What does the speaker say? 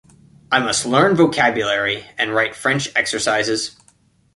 I must learn vocabulary, and write French exercises.